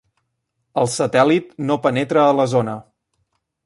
El satèl·lit no penetra a la zona.